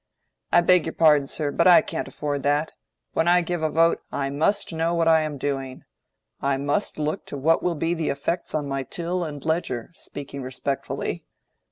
"I beg your pardon, sir, but I can't afford that. When I give a vote I must know what I am doing; I must look to what will be the effects on my till and ledger, speaking respectfully.